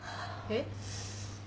えっ？